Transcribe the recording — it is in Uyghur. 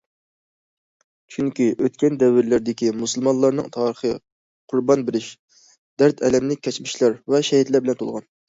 چۈنكى، ئۆتكەن دەۋرلەردىكى مۇسۇلمانلارنىڭ تارىخى قۇربان بېرىش، دەرد - ئەلەملىك كەچمىشلەر ۋە شەھىدلەر بىلەن تولغان.